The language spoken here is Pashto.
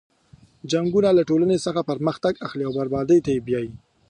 جنګونه له ټولنې څخه پرمختګ اخلي او بربادۍ ته یې بیایي.